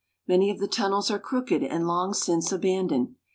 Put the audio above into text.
Many of the tunnels are crooked and long since abandoned.